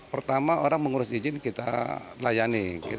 pertama orang mengurus izin kita layani